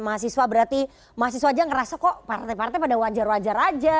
mahasiswa berarti mahasiswa aja ngerasa kok partai partai pada wajar wajar aja